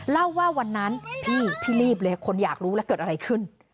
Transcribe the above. เล่าว่าวันนั้นพี่พี่รีบเลยคนอยากรู้แล้วเกิดอะไรขึ้น